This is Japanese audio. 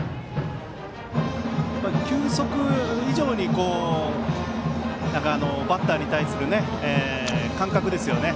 球速以上に、バッターに対する感覚ですよね。